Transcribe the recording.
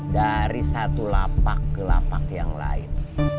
dari satu lapak ke lapak yang lain